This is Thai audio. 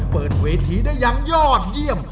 เปิดเวทีได้อย่างยอดเยี่ยม